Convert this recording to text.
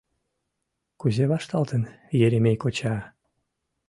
Кузе вашталтын Еремей коча!